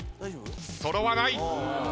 揃わない。